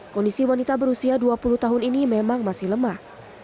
kondisi wanita berusia dua puluh tahun ini memang masih lemah